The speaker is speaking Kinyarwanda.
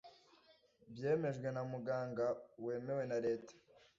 byemejwe na muganga wemewe na Leta